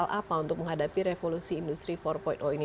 apa untuk menghadapi revolusi industri empat ini